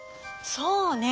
そうね。